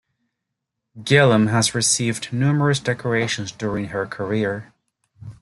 Guillem has received numerous decorations during her career.